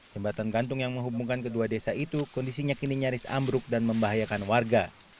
jembatan gantung yang menghubungkan kedua desa itu kondisinya kini nyaris ambruk dan membahayakan warga